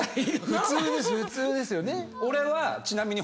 普通ですよね？